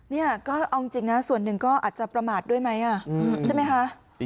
เนี่ยก็เอาจริงนะส่วนหนึ่งก็อาจจะประมาทด้วยไหมใช่ไหมคะ